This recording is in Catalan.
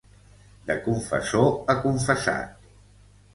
De confessor a confessat.